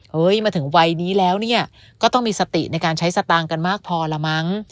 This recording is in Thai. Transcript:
มาถึงวัยนี้แล้วเนี่ยก็ต้องมีสติในการใช้สตางค์กันมากพอละมั้ง